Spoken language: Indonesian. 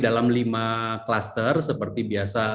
dalam lima klaster seperti biasa